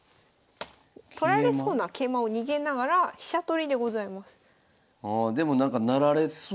取られそうな桂馬を逃げながら飛車取りでございます。